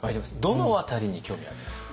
どの辺りに興味ありますか？